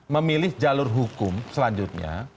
memilih jalur hukum selanjutnya